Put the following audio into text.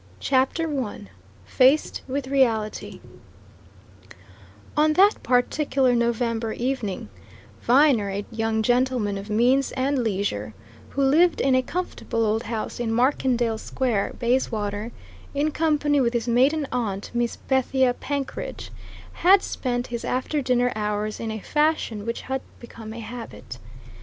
CHAPTER I FACED WITH REALITY On that particular November evening, Viner, a young gentleman of means and leisure, who lived in a comfortable old house in Markendale Square, Bayswater, in company with his maiden aunt Miss Bethia Penkridge, had spent his after dinner hours in a fashion which had become a habit.